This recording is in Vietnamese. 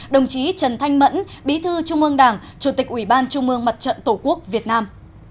đồng chí trần thanh mẫn bí thư trung ương đảng chủ tịch ủy ban trung ương mặt trận tổ quốc việt nam